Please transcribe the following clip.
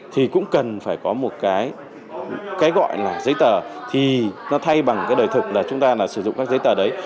thì cũng cần phải có một cái gọi là giấy tờ thì nó thay bằng cái đời thực là chúng ta là sử dụng các giấy tờ đấy